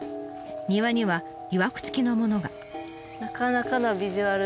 庭にはいわくつきのものが。